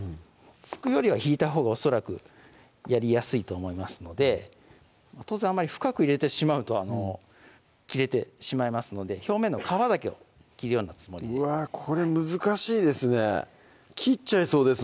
突くよりは引いたほうが恐らくやりやすいと思いますので当然あまり深く入れてしまうと切れてしまいますので表面の皮だけを切るようなつもりでうわこれ難しいですね切っちゃいそうです